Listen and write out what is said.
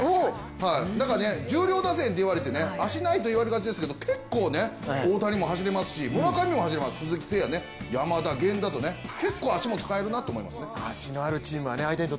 だから重量打線と言われて足がないと思われがちですが結構、大谷も走れますし村上も走れます、鈴木誠也も山田、源田と結構足も使えるなと思いますね。